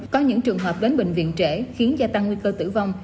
có những trường hợp đến bệnh viện trễ khiến gia tăng nguy cơ tử vong